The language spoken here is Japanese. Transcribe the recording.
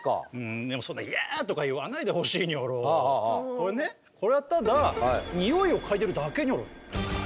これねこれはただニオイを嗅いでいるだけニョロ。